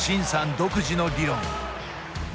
独自の理論。